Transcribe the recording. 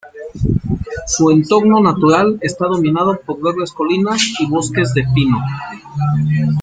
Su entorno natural está dominado por verdes colinas y bosques de pinos.